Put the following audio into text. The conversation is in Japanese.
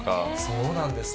そうなんですね。